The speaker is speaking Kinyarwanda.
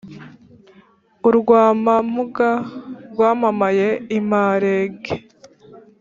urw’amamuga rwamamaye i marenge!